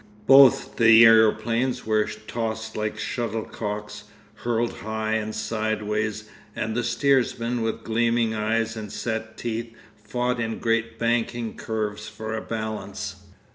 Both the aeroplanes were tossed like shuttlecocks, hurled high and sideways and the steersman, with gleaming eyes and set teeth, fought in great banking curves for a balance.